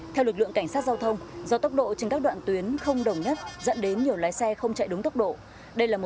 theo lực lượng cảnh sát giao thông do tốc độ trên các đoạn tuyến không đồng nhất dẫn đến nhiều lái xe không chạy đúng tốc độ